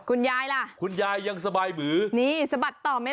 คุณยายล่ะคุณยายยังสบายบื่อนิสมัติจากทางเกิด